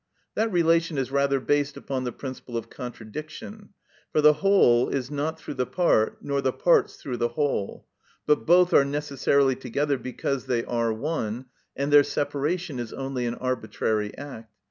That relation is rather based upon the principle of contradiction; for the whole is not through the part, nor the parts through the whole, but both are necessarily together because they are one, and their separation is only an arbitrary act.